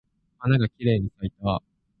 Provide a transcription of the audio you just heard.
花がきれいに咲いた。